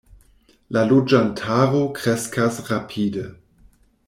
La loĝantaro kreskas rapide.